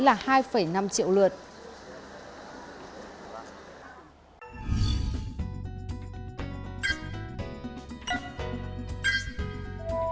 đăng ký kênh để nhận thông tin tốt hơn